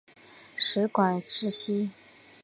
食管憩室。